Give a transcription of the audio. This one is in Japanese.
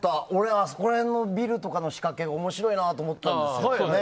あそこら辺のビルとかの仕掛け面白いなって思ったんです。